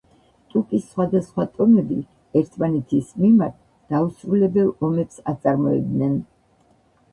ტუპის სხვადასხვა ტომები ერთმანეთის მიმართ დაუსრულებელ ომებს აწარმოებდნენ.